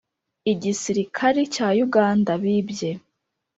igisirikari cya uganda «bibye»